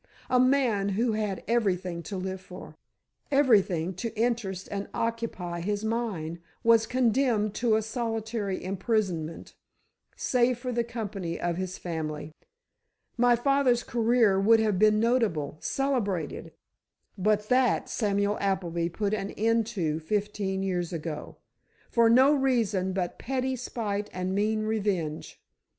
A man who had everything to live for, everything to interest and occupy his mind, was condemned to a solitary imprisonment, save for the company of his family! My father's career would have been notable, celebrated; but that Samuel Appleby put an end to fifteen years ago, for no reason but petty spite and mean revenge!